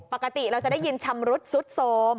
ปกติเราจะได้ยินชำรุดซุดโทรม